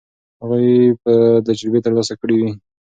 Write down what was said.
هغوی به تجربه ترلاسه کړې وي.